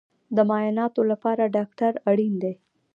د معایناتو لپاره ډاکټر اړین دی